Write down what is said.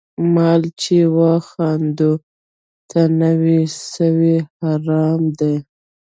مال چي و خاوند ته نه وي سوی، حرام دی